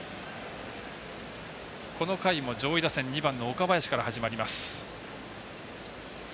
この回も上位打線２番の岡林から始まります。